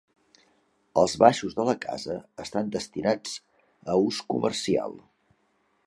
Els baixos de la casa estan destinats a ús comercial.